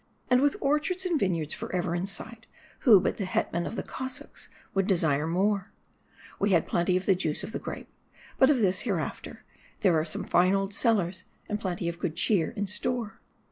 And with orchards and vineyards forever in sight, who but the Hetman of the Cos sacs would desire more ? We had plenty of the juice of the grape. But of this hereafter ; there are some fine old cellars, and plenty of good cheer in store.